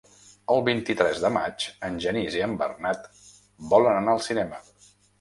El vint-i-tres de maig en Genís i en Bernat volen anar al cinema.